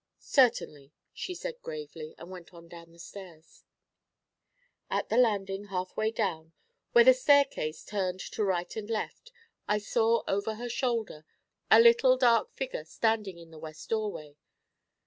'Certainly,' she said gravely, and went on down the stairs. At the landing, half way down, where the staircase turned to right and left, I saw, over her shoulder, a little dark figure standing in the west doorway.